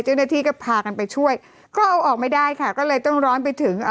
เจ้าหน้าที่ก็พากันไปช่วยก็เอาออกไม่ได้ค่ะก็เลยต้องร้อนไปถึง